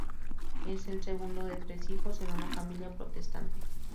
Es el segundo de tres hijos en una familia protestante.